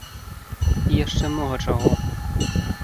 І яшчэ многа чаго.